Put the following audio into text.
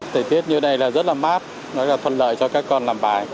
thời tiết như thế này là rất là mát nó là thuận lợi cho các con làm bài